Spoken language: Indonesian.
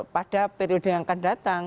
pada periode yang akan datang